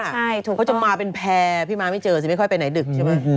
เขาจะมาเป็นแพร่พี่มาไม่เจอสิไม่ค่อยไปไหนดึกใช่ไหม